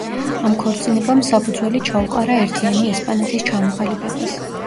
ამ ქორწინებამ საფუძველი ჩაუყარა ერთიანი ესპანეთის ჩამოყალიბებას.